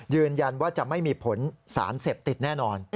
ยืนยันว่าจะไม่มีผลสารเสพติดแน่นอน